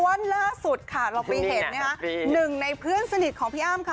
วันล่าสุดค่ะเราไปเห็นนะคะหนึ่งในเพื่อนสนิทของพี่อ้ำค่ะ